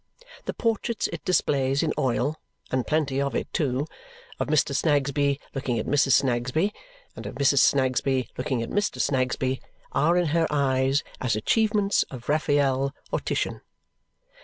The portraits it displays in oil and plenty of it too of Mr. Snagsby looking at Mrs. Snagsby and of Mrs. Snagsby looking at Mr. Snagsby are in her eyes as achievements of Raphael or Titian.